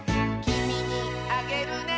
「きみにあげるね」